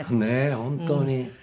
本当に。